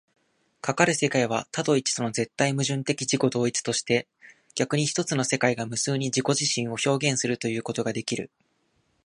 かかる世界は多と一との絶対矛盾的自己同一として、逆に一つの世界が無数に自己自身を表現するということができる。